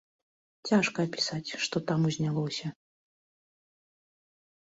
Цяжка апісаць, што там узнялося!